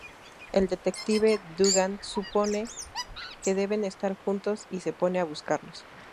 El Detective Duggan supone que deben estar juntos y se pone a buscarlos.